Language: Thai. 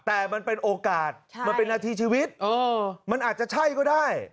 แต่มันเป็นโอกาสมันเป็นนาทีชีวิตมันอาจจะใช่ก็ได้